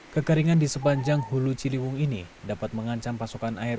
kekeringan di sepanjang hulu ciliwung ini dapat mengancam pasokan air